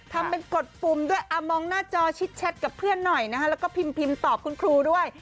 ทำเป็นกดปุ่มด้วยมองหน้าจอชิดแชทกับเพื่อนหน่อยนะฮะแล้วก็พิมพ์ตอบคุณครูด้วย